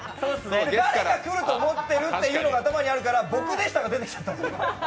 だから、くると思ってるという頭ですから、「僕でした」が出てきちゃったんですよ。